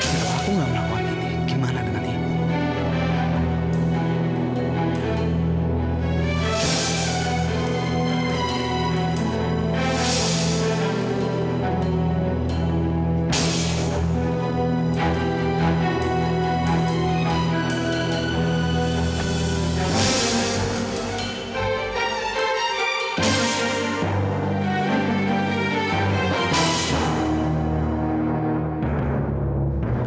kenapa aku nggak melakukan ini gimana dengan ibu